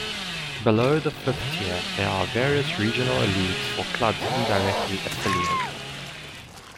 Below the fifth tier, there are various regional leagues for clubs indirectly affiliated.